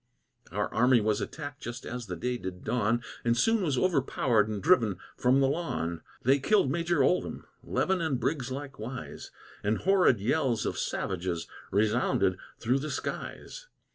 Our army was attacked just as the day did dawn, And soon was overpowered and driven from the lawn. They killed Major Ouldham, Levin and Briggs likewise, And horrid yells of savages resounded through the skies.